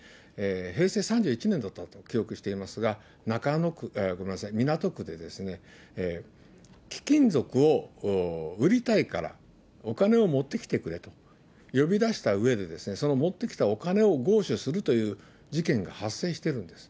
平成３１年だったと記憶していますが、港区で、貴金属を売りたいから、お金を持ってきてくれと呼び出したうえで、その持ってきたお金を強取するという事件が発生しているんです。